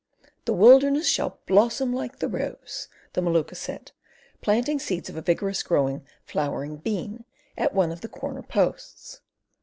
"The wilderness shall blossom like the rose," the Maluka said, planting seeds of a vigorous growing flowering bean at one of the corner posts.